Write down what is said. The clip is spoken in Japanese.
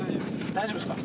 大丈夫ですか？